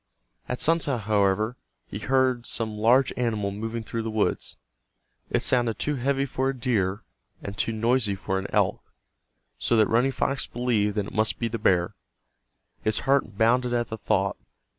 At sunset, however, he heard some large animal moving through the woods. It sounded too heavy for a deer, and too noisy for an elk, so that Running Fox believed it must be the bear. His heart bounded at the thought.